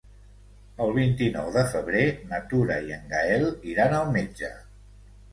El vint-i-nou de febrer na Tura i en Gaël iran al metge.